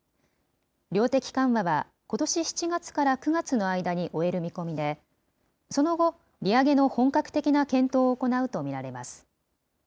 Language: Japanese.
量的緩和はことし７月から９月の間に終える見込みで、その後、利上げの本格的な検討を行うと見られます。